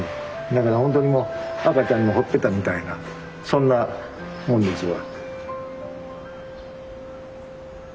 だからほんとにもう赤ちゃんのほっぺたみたいなそんなもんですわ。